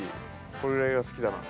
これぐらいが好きだな。